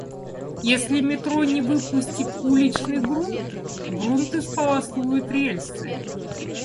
Если метро не выпустит уличный грунт — грунт исполосуют рельсы.